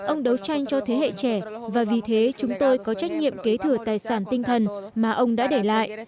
ông đấu tranh cho thế hệ trẻ và vì thế chúng tôi có trách nhiệm kế thừa tài sản tinh thần mà ông đã để lại